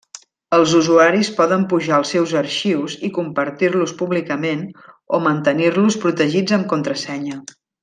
Els usuaris poden pujar els seus arxius i compartir-los públicament o mantenir-los protegits amb contrasenya.